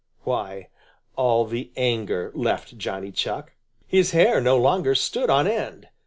Why, all the anger left Johnny Chuck. His hair no longer stood on end.